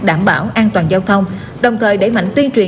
đăng ký đăng ký đăng ký